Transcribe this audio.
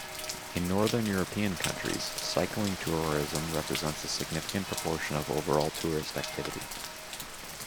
In Northern European countries, cycling tourism represents a significant proportion of overall tourist activity.